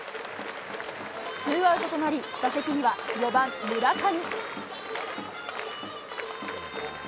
ツーアウトとなり、打席には４番村上。